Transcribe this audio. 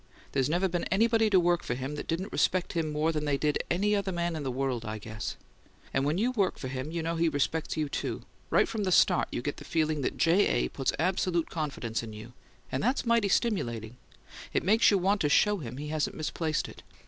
There's never been anybody work for him that didn't respect him more than they did any other man in the world, I guess. And when you work for him you know he respects you, too. Right from the start you get the feeling that J. A. puts absolute confidence in you; and that's mighty stimulating: it makes you want to show him he hasn't misplaced it.